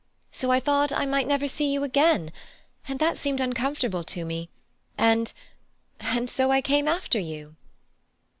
So I thought I might never see you again, and that seemed uncomfortable to me, and and so I came after you."